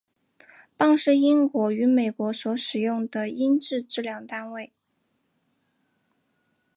磅是英国与美国所使用的英制质量单位。